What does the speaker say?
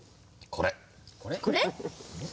これ？